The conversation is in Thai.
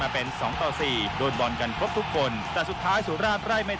อันดับที่๖